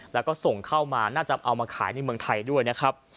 แล้วก็ส่งเข้ามาน่าจะเอามาขายในเมืองไทยด้วยนะครับ